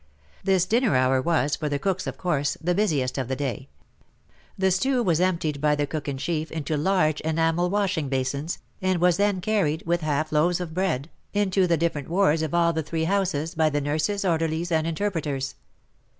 This dinner hour was, for the cooks of course, the busiest of the day. The stew was emptied by the cook in chief into large enamel washing basins, and was then carried, with half loaves of bread, into the ''*., WAR AND WOMEN 151 different wards of all the three houses by the nurses, orderlies and interpreters.